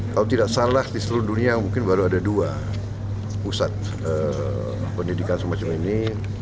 kalau tidak salah di seluruh dunia mungkin baru ada dua pusat pendidikan semacam ini